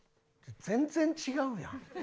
全然違うやん。